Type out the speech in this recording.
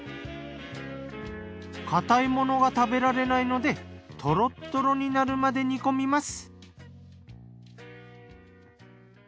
かたいものが食べられないのでトロットロになるまで煮込みます。